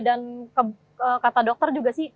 dan kata dokter juga sih